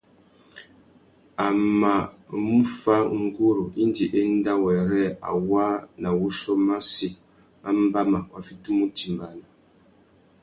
A mà mú fá nguru indi enda wêrê a waā nà wuchiô massi mà mbáma wa fitimú utimbāna.